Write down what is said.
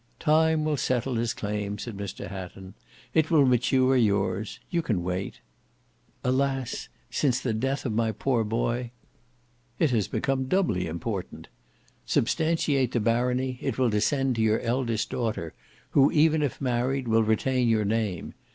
"Time will settle his claim," said Mr Hatton; "it will mature yours. You can wait." "Alas! since the death of my poor boy—" "It has become doubly important. Substantiate the barony, it will descend to your eldest daughter, who, even if married, will retain your name.